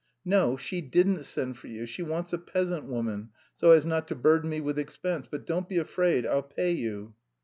"No, she didn't send for you, she wants a peasant woman, so as not to burden me with expense, but don't be afraid, I'll pay you."